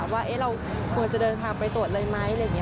ว่าเราควรจะเดินทางไปตรวจเลยไหม